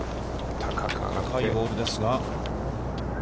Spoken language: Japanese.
高いボールですが。